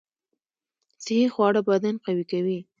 صحي خواړه بدن قوي کوي